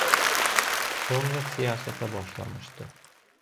Sonra siyasətə başlamışdı.